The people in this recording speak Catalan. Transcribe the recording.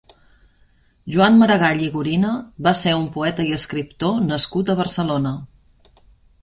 Joan Maragall i Gorina va ser un poeta i escriptor nascut a Barcelona.